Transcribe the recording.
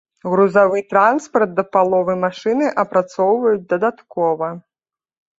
Грузавы транспарт да паловы машыны апрацоўваюць дадаткова.